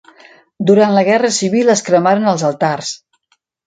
Durant la guerra civil es cremaren els altars.